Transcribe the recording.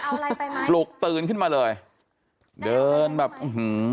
เอาอะไรไปมาปลุกตื่นขึ้นมาเลยเดินแบบอื้อหือ